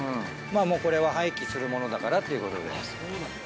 これは廃棄するものだからっていうことで。